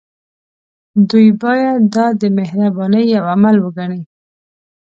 دوی باید دا د مهربانۍ يو عمل وګڼي.